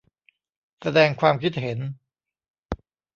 แสดงความคิดเห็น